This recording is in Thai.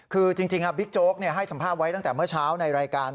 คือจริงบิ๊กโจ๊กให้สัมภาษณ์ไว้ตั้งแต่เมื่อเช้าในรายการ